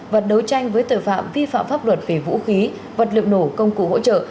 và đấu tranh với tội phạm vi phạm pháp luật về vũ khí vật liệu nổ công cụ hỗ trợ